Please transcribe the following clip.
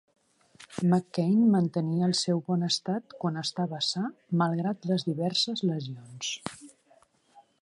McKain mantenia el seu bon estat quan estava sa malgrat les diverses lesions.